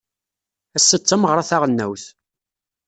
Ass-a d tameɣra taɣelnawt.